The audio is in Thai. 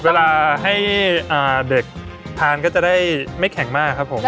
เวลาให้เด็กทานก็จะได้ไม่แข็งมากครับผม